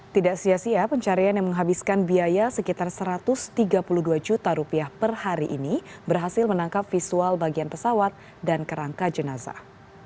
tidak sia sia pencarian yang menghabiskan biaya sekitar satu ratus tiga puluh dua juta rupiah per hari ini berhasil menangkap visual bagian pesawat dan kerangka jenazah